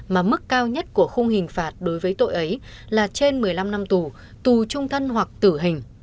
mà mức cao nhất của khung hình phạt đối với tội ấy là trên một mươi năm năm tù tù trung thân hoặc tử hình